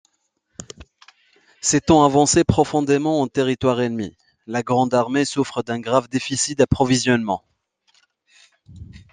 S'étant avancée profondément en territoire ennemi, la Grande Armée souffre d'un grave déficit d'approvisionnement.